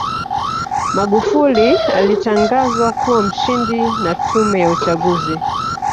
magufuli alitangazwa kuwa mshindi na tume ya uchaguzi